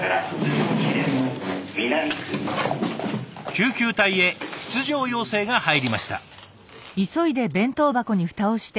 救急隊へ出場要請が入りました。